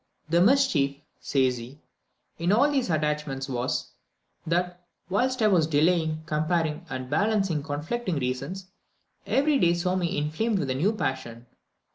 "The mischief," says he, "in all these attachments was, that whilst I was delaying, comparing and balancing conflicting reasons, every day saw me inflamed with a new passion."